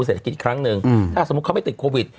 เศรษฐกิจอีกครั้งหนึ่งถ้าสมมุติเขาไม่ติดโควิด